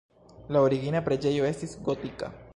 La origina preĝejo estis gotika.